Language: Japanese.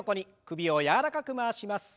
首を柔らかく回します。